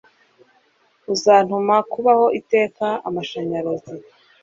uzantuma kubaho iteka! amashanyarazi